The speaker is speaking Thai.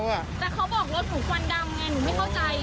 แต่เขาบอกรถหนูควันดำไงหนูไม่เข้าใจ